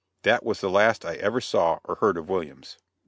That was the last I ever saw or heard of Williams.